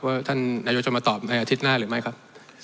ว่าท่านนายกจะมาตอบในอาทิตย์หน้าหรือไม่ครับ